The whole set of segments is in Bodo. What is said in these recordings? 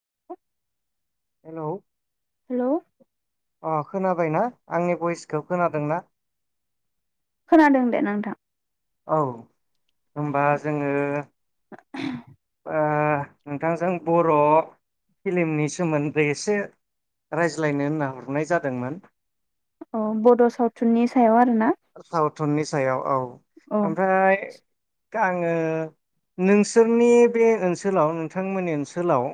[unintelligible] हेलौ। हेलौ। अ खोनाबायना आंनि भइसखौ खोनादोंना। खोनादों दे नोंथां। औ होनबा जोङो। [unintelligible] ओ नोंथांजों बर' फिल्मनि सोमोन्दै एसे रायज्लायनो होनना हरनाय जादोंमोन। अ बड' सावथुननि सायाव आरोना? सावथुननि सायाव औ। औ ओमफ्राय दा आङो नोंसोरनि बे ओनसोलाव नोंथांमोननि ओनसोलाव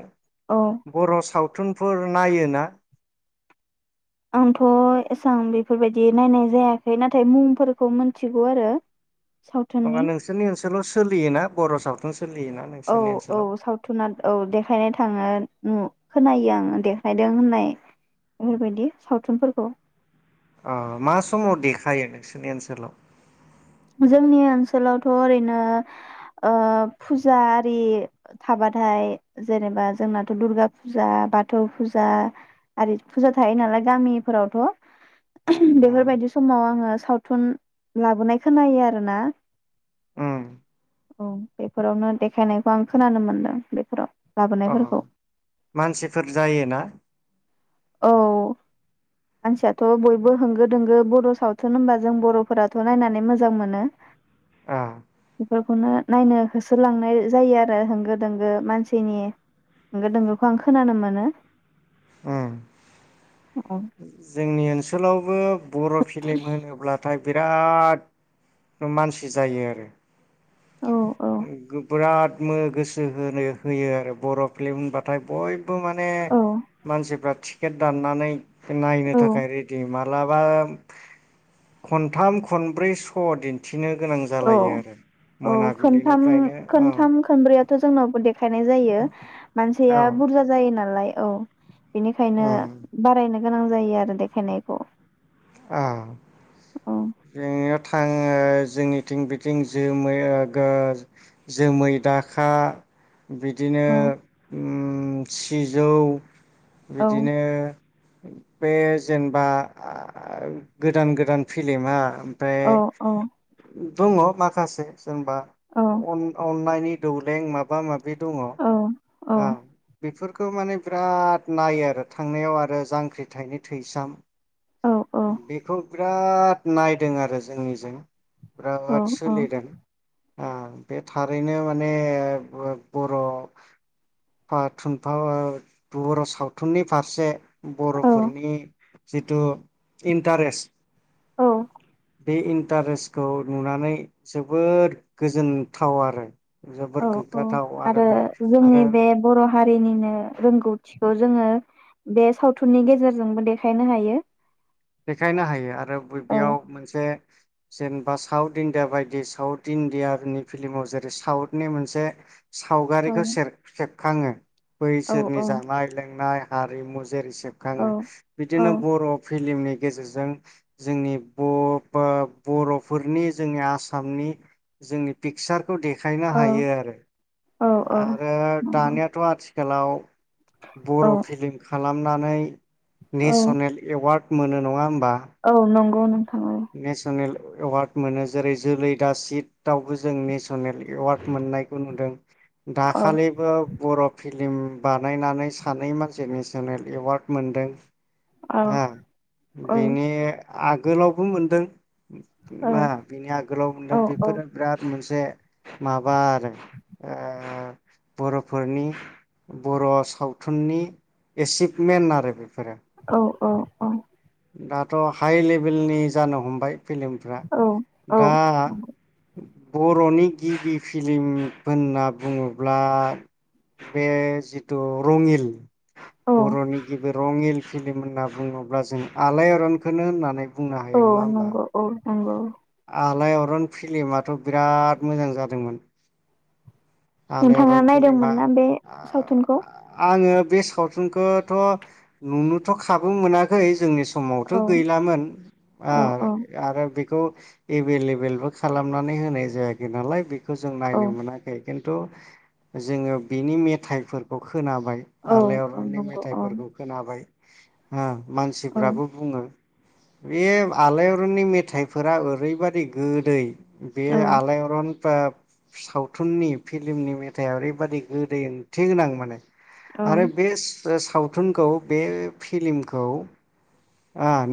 औ बर' साव थुनफोर नायो ना? आंथ' एसबां बेफोरबायदि नायनाय जायाखै नाथाय मुंफोरखौ मोनथिगौ आरो। नङा सावथुननि नोंसोरनि ओनस लाव सोलियोना बर' सावथुन सोलियोना औ नोंसोरनि औ ओनसोलाव सावथुुना औ देखायनो थाङो ओ खोनायो आङो देखायदों होननाय बेफोरबायदि सावथुनफोरखौ। अ मा समाव देखायो नोंसोरनि ओनसोलाव? जोंनि ओनसोलावथ' ओरैनो ओ फुजा आरि थाबाथाय जेनेबा जोंनाथ' दुर्गा फुजा बाथौ फुजा आरि फुजा थायो नालाय गामिफोरावथ'। उम बेफोरबायदि समाव आङो सावथुन लाबोनाय खोनायो आरो ना। उम औ बेफोरावनो देखायनायखौ आं खोनानो मोनदों बेफोराव अ लाबोनायफोरखौ मानसिफोर जायोना? औ मानसियाथ' बयबो होंगो दोंगो बर' सावथुन होनबा जों बर'फोराथ' नायनानै मोजां मोनो। ओ बेफोरखौनो नायनो होसोलांनाय जायो आरो होंगो दोंगो मानसिनि होंगो दोंगोखौ आं खोनानो मोनो। ओम औ जोंनि ओनसोलाव [inaudible] बर' फिल्म होनोब्लाथाय बिराद मानसि जायो आरो। औ। औ बिराद गोसो होनो होयो आरो बर' फिल्म होनबाथाय बयबो। बो माने औ मानसिफ्रा थि टिकेट दाननानै नायनो औ थाखाय रेडि मा माब्लाबा खन्थाम खनब्रै स' दिन्थि गोनां जालायो आरो, मोना खनथाम खनथाम खनब्रैयाथ' जोंनाव देखायनाय जायो मानसिया औ बुरजा जायो नालाय। औ। बेनिखायनो उम बारायनो गोनां जायो आरो देखायनायखौ। अ औ जों इयाव थां जोंनिथिं बिथिं जोमै ओगो जोमै दाखा बिदिनो औ ओम सिजौ औ बिदिनो बे जेनेबा आ ओ गोदान गोदान फिलिमा ओमफ्राय औ औ दङ' माखासे जेनेबा औ अन-अननायनि दौलें माबा माबि बे दङ'। औ औ हा बेफोर खौ माने बिराद नायो आरो थांनायाव आरो जांख्रिथायनि थैसाम औ बेखौ बिराद नायदों आरो जोंनिजों। औ बिराद सोलिदों। ओ बे थारैनो माने ब-बर' थुफा थुनफा ओ बर' सावथुननि फारसे औ बर'फोरनि जिथु इन्टारेस्ट बे इन्टारेस्टखौ नुनानै जोबोद गोजोनथाव आरो। जोबोर गोग्गाथाव आरो बे नि आरो बे बर' हा हारिनिनो रोंगौथिखौ जोङो बे सावथुननि गेजेरजोंबो देखायनो हायो। देखायनो हायो आ आरो औ बेयाव मोनसे जेनेबा साउथ इण्डिया बायदि साउथ इण्डिया नि फिल्माव जेरै साउथनि मोनसे औ सावगारिखौ सेर सेेब खाङो औ बैसोरनि औ जानाय लोंनाय हारिमु जेरै औ सेबखाङो औ बिदिनो बर' फिलिमनि गेजेरजों जोंनि बर'फ्रा बर'फोरनि जोंनि आसामनि जोंनि पिकचार खौ देखायनो औ हायो आरो। औ औ आरो नंगौ दानियाथ' आथि थिखालाव औ बर' फिलिम खाल खालामनानै। औ नेसनेल एवार्ड मोनो नङा होम औ नंग ग नोंथां। औ नेसनेल एवार्ड मोनो जेरै जोलै दासितआवबो जों नेसनेल एवार्ड मोननायखौ नुदों। दाखालिबो बरफ फिल्म बानायनानै सानै मानसि नेसनेल एवार्ड मोनदों। औ आं बेनि आग गोलाव बो मोनदों औ मा बिनि आगोलाव मोनदों औ बेफोरो बिराद मोनस बे माबा आरो ओ बर'फोरनि बर' सावथुननि एसिभमेन्ट आरो बे। औ औ औ दाथ' हाइ लेभेलनि जानो हमबाय फिलमफ्रा औ दा बर'नि गिबि फिलम होनना बुङोब्ला बे जिथु रङिल औ बर'नि गिबि रङिल फिलिम होनना बुङोब्ला जों आलाय अरनखोनो होननानै बुंनो औ हायो नङा होमबा। नंगौ औ नंगौ आलाय अरन फिलिमाथ' बिराद मोजां जादोंमोन नोंथाङा आलायअरन फिलिमा नायदोंमोन ना बे सावथुनखौ आंङो बे सावथुनखौथ' नुनोथ' खाबु मोनाखै जोंनि औ समावथ' गैलामोन औ औ आरो बेखौ एभेलेबेलबो खालामनानै होनाय जायाखै नालाय बेखौ बेखौ जों औ नायनो मोनाखै खिन्थु जोङो बिनि मेथाइफोरखौ खोनाबाय औ आलाय औ अरननि नंगौ औ मेथाइफोरखौ खोनाबाय। अह औ मानसिफ्राबो बुङो। बे आलाय अरननि मेथाइफोरानो ओरैबायादि गोदै। औ बेयो आलायअरन सावथुननि फिलिमनि मेथाइआ ओरैबायादि गोदै ओंथि गोनां माने। औ आरो बेस सावथुनखौ बे फिलिमखौ।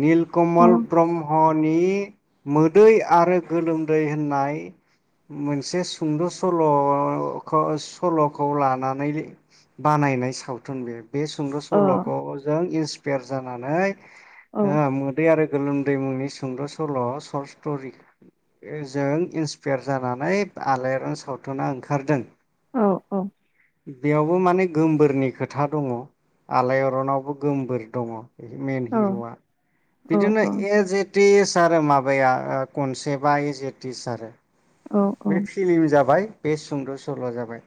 निल कमल ब्रह्म [unintelligible] मोदै आरो गोलोमदै होननाय मोनसे सुंद' सल' सल'खौ लानानै बानायनाय सावथुन बे। बे सुंद' अ सल'खौ जों इस बेेर जानानै औ ओ मोदै आरो गोलोमदै मुंनि सुंद' सल' र्ट स्ट'रि जों इन्सपाययार जानानै आलाइआरन सावथुना ओंखारदों। औ औ बेयावबो माने गोमबोरनि खोथा दङ आलाइआरनावबो गोमबोर दङ। मेन औ हिर'आ बिदिनो औ ए एड [unintelligible] माबाया खनसेबा एजेटिस आरो। औ बे फिलिम जाबाय। बे सुंद' सल' जाबाय।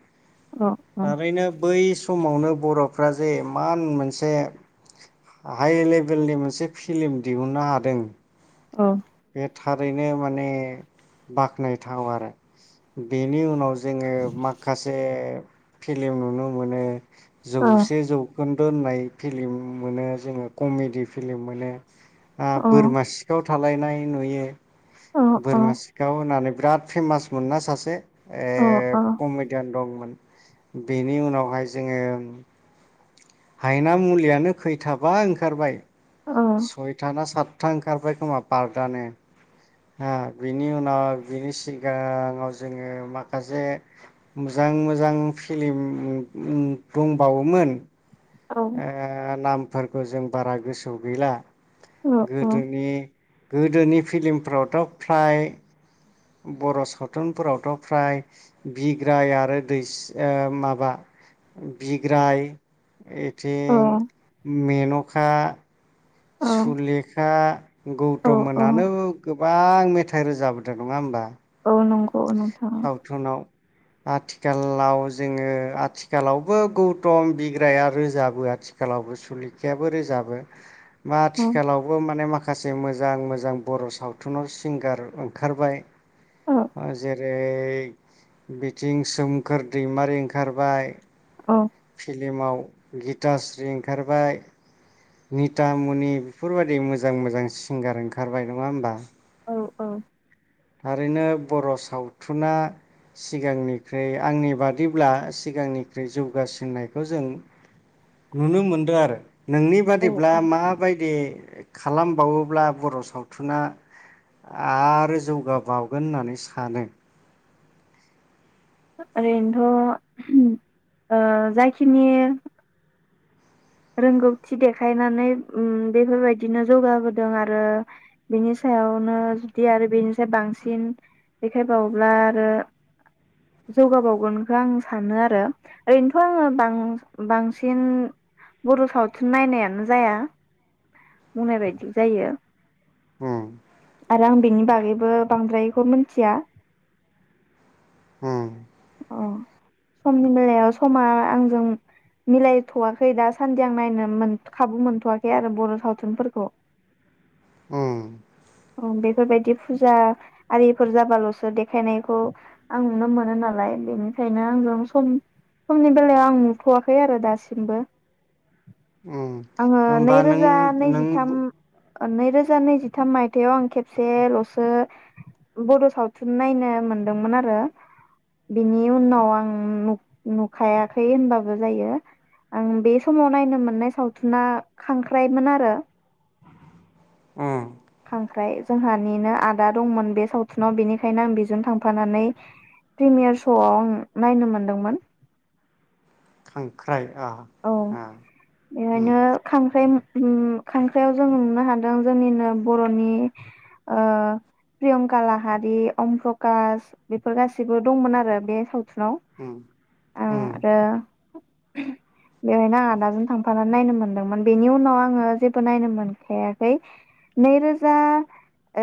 थारैनो बै समावनो बर'फ्रा जे इमान मोनसे हाइ लेभेलनि मोनसे फिलिम दिहुननो हादों। औ बे थारैनो माने बाख्नायथाव आरो बेनि उनाव। जोङो माखासे फिलिम नुनो मोनो। जौसे जौ खन्दो होननाय फ्लिम मोनो जोङो कमेडि फ्लिम मोनो। बोरमा सिखाव थ सालायनाय नुयो। बोरमा सिखाव होननानै बिराद फेमास मोनना सासे। ए कमेडियान दंमोन। बेनि उनावहाय जोङो। हायना मुलियानो खैथाबा ओंखारबाय। सयथा ना सात हथा ओंखारबाय खोमा बार्तानो हा बिनि उनाव बिनि सिगाङाव जोङो माखासे मोजां मोजां फिलिम दंबावोमोन। ओ नाम फोरखौ जों बारा गोसोआव गैला। गोदोनि। गोदोनि फिलिमफ्रावथ' फ्राय बर' सावथुनफोरावथ' फ्राय बिग्राय आरो दैस ओ माबा बिग्राय। औ एथिं। मेन'खा। औ सुलेखा औ गौतम औ मोनानो गो गोबां मेथाइ रोजाबोदों नङा होमबा। औ नंगौ नोंथां। सावथुनाव आथिखालाव जोङो आथिखालावबो गौतम बिग्राया रोजाबो आथिखालावबो सुलेखायाबो रोजाबो। बा औ आथिखालावबो माने माखा माखासे मोजां मोजां बर' सावथुनाव सिंगार ओंखारबाय। औ अ जे [unintelligible] बिथिं सोमखोर दैमारि ओंखारबाय। औ। फ्लिमाव गितास्रि ओंखारबाय नितामुनि बेफोरबायदि मोजां मोजां सिंगार ओंखारबाय नङा होमबा। औ औ। थारैनो बर' सावथुना सिगांनिख्रुइ आंनि बादिब्ला सिगांनिख्रुइ जौगासिननायखौ जों नुनो मोनदों आरो। नोंनि औ बादिब्ला औ माबायदि खालामबावोब्ला बर' सावथुना आरो जौ गा बावगोन होननानै सानो? ओरैनोथ' ओ जाखिनि रोंगौथि देखायनानै ओ बेफोरबायदिनो जौगाबोदों आरो बेनि सायावनो जुदि आरो बेनिसाय बांसिन देखायबावोब्ला आरो जौगाबावगोनखौ आं सानो आरो ओरैनोथ' आङो बां-बांसिन। बर' सावथुन नायनायानो जाया बुंनाय बायदि जायो। उम आरो आं बेनि बा गैबो बांद्रायखौ मोनथिया। उम। अ समनि बेलायाव समा आंजों मिलायथ'वाखै दासान्दि आं नायनो खाबु मोनथ'वाखै आरो बर' सावथुनफोरखौ उम उम बेफोरबायदि फुजा आरिफोर जाबाल'सो देखायनायखौ आं नुनो मोनो ना लाय बेनिखायनो आंजों सम समनि बेलायाव आं नुथ'वाखै आरो दासिमबो। उम आङो होमबा नों नैरोजा नों नैजिथाम नैरोजा नैजिथाम मायथायाव आं खेबसेल'सो बड' सावथुन नायनो मोनदोंमोन आरो। बिनि उनाव आं नुखायाखै होनबाबो जायो आं बे समाव नायनो मोननाय सावथुना खांख्राइमोन आरो। उम खांख्राय जोंहानिनो आदा दंमोन बे सावथुनाव बेनिखायनो आं बेजों थांफानानै प्रिमियारस श'व आं नायनो मोनदोंमोन। खांख्राइ। आ औ आ उम एहायनो खांख्राइ उम खांख्रायाव जों नुनो हादों जोंनिनो बर'नि ओ, प्रियंका लाहारि अम प्रकश बेफोर गासिबो दंमोन आरो बे साव उम उम [inaudible] बेवहायनो आं आदाजों थांफानानै नायनो मोनदोंमोन, बेनि उनाव आङो जेबो नायनो मोनखायाखै। नैरोजा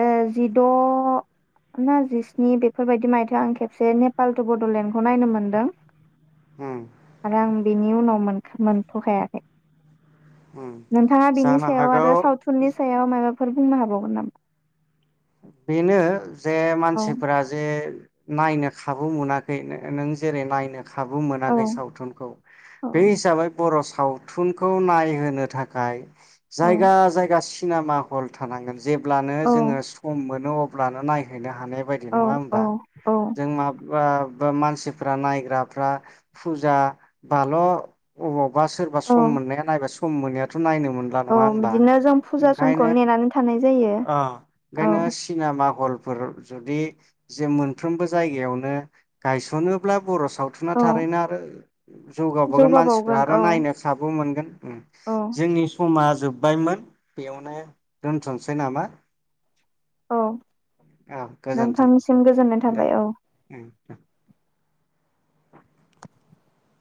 ओ जिद' ना जिस्नि बेफोरबायदि मायथाइयाव आं खेबसे नेपाल टु बड'लेण्डखौ नायनो मोनदों। उम आरो आं बिनिउनाव मोनखा मोनथ'खायाखै। उम नोंथाङा बिनि जानो सायाव हागौ आरो सावथुननि सायाव माबा फोर बुंनो हाबावगोन नामा? बेनो जे औ मानसिफोरा जे नायनो खाबु मोनाखै नों जेरै नायनो खाबु औ मोनाखै सावथुनखौ औ बे हिसाबै बर' सावथुनखौ नायहोनो थाखाय। औ जायगा जायगा सिनेमा हल थानांगोन। जेब्लानो औ जोङो मोनो अब्लानो नायहैनो हागोन। हानाय बायदि औ नङा होमबा? औ जों मा बा मानसिफ्रा नायग्राफ्रा फुजा बाल' अबाव बा सोरबा औ सम मोननाया नायबा सममोनैयाथ' औ बिदिनो जों फुजा समखौ ओंखायनो नेनानै थानाय जायो। अ औ ओंखायनो सिनेमा मा हलफोर जुदि जे मोनफ्रामबो जायगायावनो गायसनोबा बर' सु सावथुना औ थारैनो आरो जौगाबोगोन मानसिफ्रा जौगाबावगोन आरो औ नायनो खाबु मोनगोन। औ जोंनि समाज जोबायमोन बेयावनो दोनथ'सै नामा? औ औ गोजोन्थों नोंथांनिसिम गोजोननाय दे थाबाय औ। [unintelligible]